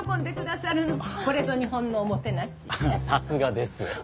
さすがです。